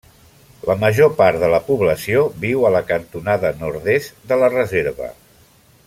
La major part de la població viu a la cantonada nord-est de la reserva.